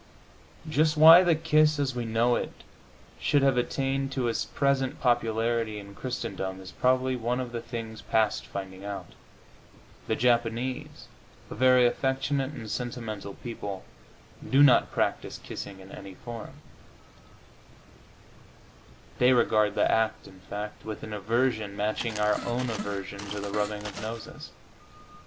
Just why the kiss as we know it should have attained to its present popularity in Christendom is probably one of the things past finding out. The Japanese, a very affectionate and sentimental people, do not practise kissing in any form; they regard the act, in fact, with an aversion matching our own aversion to the rubbing of noses.